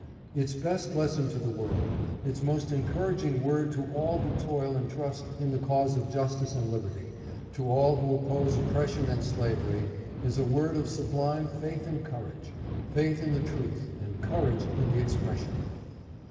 Its best lesson to the world, its most encouraging word to all who toil and trust in the cause of justice and liberty, to all who oppose oppression and slavery, is a word of sublime faith and courage — faith in the truth and courage in the expression.